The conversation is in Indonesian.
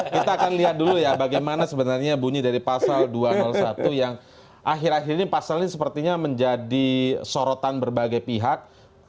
kita akan lihat dulu ya bagaimana sebenarnya bunyi dari pasal dua ratus satu yang akhir akhir ini pasal ini sepertinya menjadi sorotan berbagai pihak